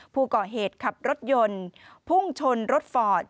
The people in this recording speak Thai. ผู้ก่อเหตุขับรถยนต์พุ่งชนรถฟอร์ด